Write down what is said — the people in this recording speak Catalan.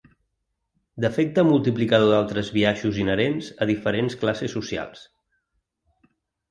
D’efecte multiplicador d’altres biaixos inherents a diferents classes socials.